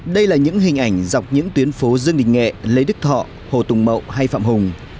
đây là những hình ảnh dọc những tuyến phố dương đình nghệ lê đức thọ hồ tùng mậu hay phạm hùng